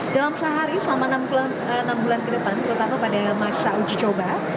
dalam sehari selama enam bulan ke depan terutama pada masa uji coba